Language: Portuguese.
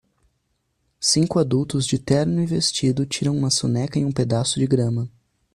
Cinco adultos de terno e vestido tiram uma soneca em um pedaço de grama.